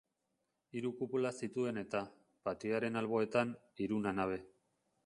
Hiru kupula zituen eta, patioaren alboetan, hiruna nabe.